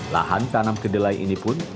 lahan tanam kedelai ini pun